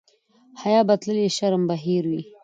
حیا به تللې شرم به هېر وي.